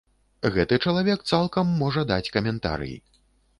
Гэты чалавек цалкам можа даць каментарый.